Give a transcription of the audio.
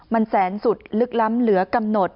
มันแสนสุดลึกล้ำเหลือกำหนด